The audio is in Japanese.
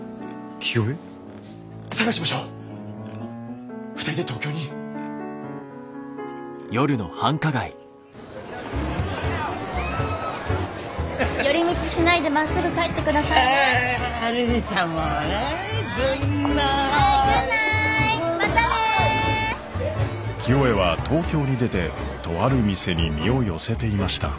清恵は東京に出てとある店に身を寄せていました。